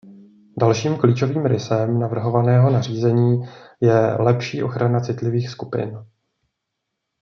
Dalším klíčovým rysem navrhovaného nařízení je lepší ochrana citlivých skupin.